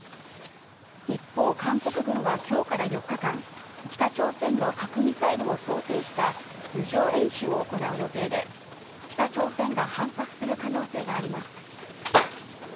一方、韓国軍はきょうから４日間、北朝鮮の核・ミサイルを想定した図上演習を行う予定で、北朝鮮が反発する可能性があります。